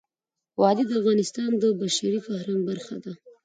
وادي د افغانستان د بشري فرهنګ برخه ده.